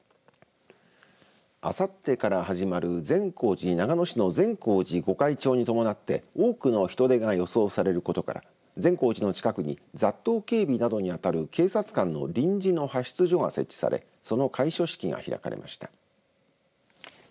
あさってから始まる長野市善光寺、御開帳に伴って多くの人出が予想されることから善光寺の近くに雑踏警備などにあたる警察官の臨時の派出所が設置されその開所式が開かれました。